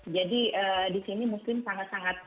jadi di sini muslim sangat sangat